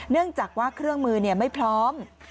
เนื่องจากว่าเครื่องมือไม่พร้อม